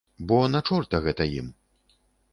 Бо на чорта гэта ім.